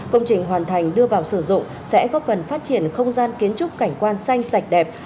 công trình hoàn thành đưa vào sử dụng sẽ góp phần phát triển không gian kiến trúc cảnh quan xanh sạch đẹp